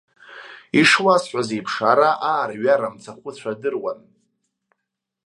Ишуасҳәаз еиԥш, ара аарҩара мцахәыцәа адыруан.